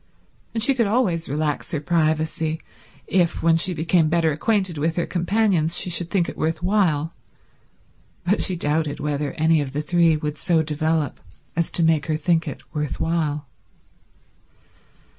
And she could always relax her privacy if, when she became better acquainted with her companions, she should think it worth while, but she doubted whether any of the three would so develop as to make her think it worth while.